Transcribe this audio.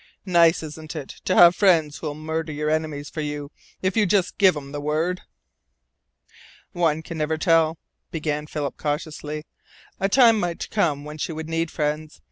Nice, isn't it to have friends who'll murder your enemies for you if you just give 'em the word?" "One never can tell," began Philip cautiously. "A time might come when she would need friends.